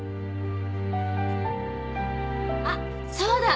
あっそうだ。